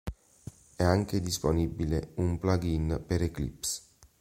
È anche disponibile un plugin per Eclipse.